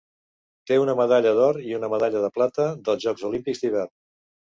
Té una medalla d'or i una medalla de plata dels Jocs Olímpics d'hivern.